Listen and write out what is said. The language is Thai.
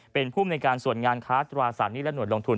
เป็นภูมิในการส่วนงานค้าตราสารหนี้และหน่วยลงทุน